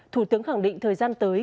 thủ tướng khẳng định thời gian tới